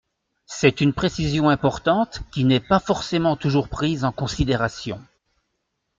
C’est une précision importante, qui n’est pas forcément toujours prise en considération.